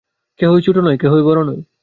কেহই ছোট নয়, কেহই বড় নয়।